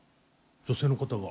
女性の方が。